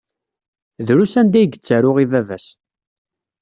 Drus anda ay yettaru i baba-s.